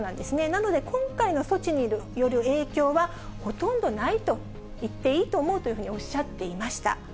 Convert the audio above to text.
なので、今回の措置による影響はほとんどないと言っていいと思うとおっしゃっていました。